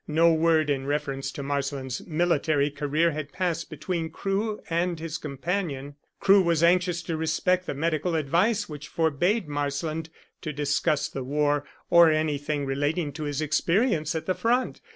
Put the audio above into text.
No word in reference to Marsland's military career had passed between Crewe and his companion. Crewe was anxious to respect the medical advice which forbade Marsland to discuss the war or anything relating to his experience at the front.